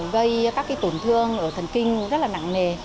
gây các tổn thương ở thần kinh rất là nặng nề